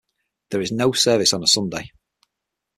There is no service on a Sunday.